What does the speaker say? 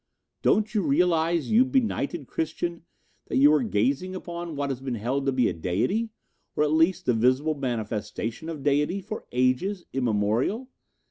Don't you realize, you benighted Christian, that you are gazing upon what has been held to be a deity, or at least the visible manifestation of deity, for ages immemorial?